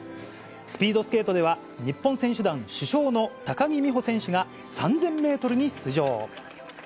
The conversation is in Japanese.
スピードスケートでは、日本選手団主将の高木美帆選手が３０００メートルに出場。